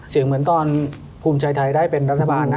เหมือนตอนภูมิใจไทยได้เป็นรัฐบาลนะ